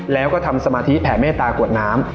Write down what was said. แล้วก็ทำสมาธิแผ่เมตตากวดน้ำ